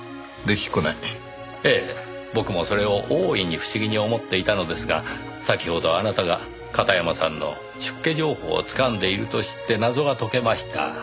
ええ僕もそれを大いに不思議に思っていたのですが先ほどあなたが片山さんの出家情報をつかんでいると知って謎が解けました。